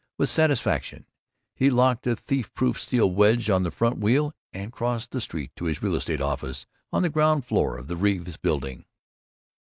With satisfaction he locked a thief proof steel wedge on the front wheel, and crossed the street to his real estate office on the ground floor of the Reeves Building.